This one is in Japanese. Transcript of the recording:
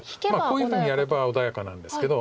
こういうふうにやれば穏やかなんですけど。